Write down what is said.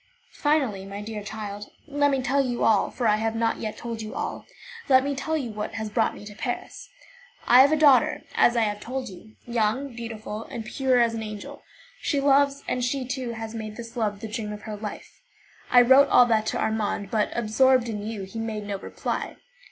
"Finally, my dear child, let me tell you all, for I have not yet told you all, let me tell you what has brought me to Paris. I have a daughter, as I have told you, young, beautiful, pure as an angel. She loves, and she, too, has made this love the dream of her life. I wrote all that to Armand, but, absorbed in you, he made no reply.